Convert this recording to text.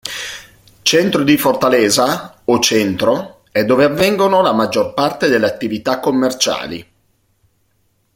Centro di Fortaleza, o "Centro", è dove avvengono la maggior parte delle attività commerciali.